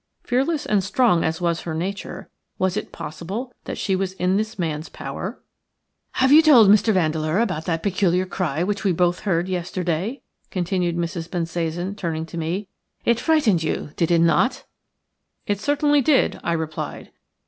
Fearless and strong as was her nature, was it possible that she was in this man's power? "Have you told Mr. Vandeleur about that peculiar cry which we both heard yesterday?" continued Mrs. Bensasan, turning to me. "It frightened you, did it not?" "It certainly did," I replied.